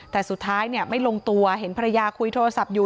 แต่สุดท้ายไม่ลงตัวเห็นภรรยาคุยโทรศัพท์อยู่